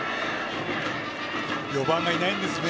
４番がいないんですね。